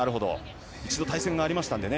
一度対戦がありましたのでね。